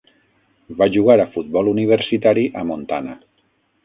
Va jugar a futbol universitari a Montana.